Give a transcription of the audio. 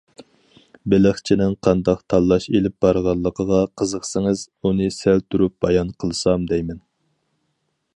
بېلىقچىنىڭ قانداق تاللاش ئېلىپ بارغانلىقىغا قىزىقسىڭىز، ئۇنى سەل تۇرۇپ بايان قىلسام دەيمەن.